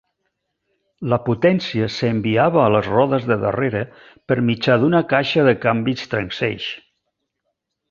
La potència s'enviava a les rodes de darrere per mitjà d'una caixa de canvis transeix.